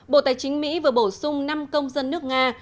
bộ tài chính mỹ vừa bổ sung năm công dân nước nga